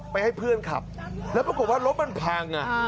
ให้เพื่อนขับแล้วปรากฏว่ารถมันพัง